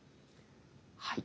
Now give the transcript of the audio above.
はい。